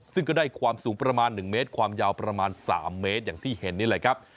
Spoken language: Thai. ซึ่งก็ได้ความสูงประมาณ๑เมตรความยาวประมาณ๓เมตรอย่างที่เห็นนี่แหละครับ